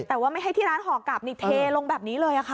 แต่ว่าไม่ให้ที่ร้านห่อกลับนี่เทลงแบบนี้เลยค่ะ